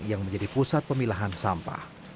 yang menjadi pusat pemilahan sampah